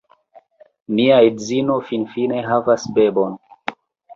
Mia edzino finfine havas bebon!